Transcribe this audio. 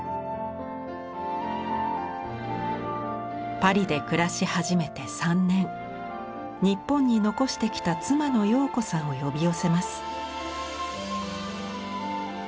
パリで暮らし始めて３年日本に残してきた妻の陽子さんを呼び寄せます。